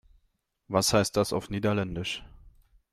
Was heißt das auf Niederländisch?